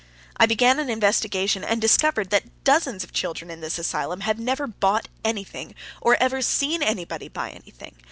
I began an investigation, and discovered that dozens of children in this asylum have never bought anything or have ever seen anybody buy anything.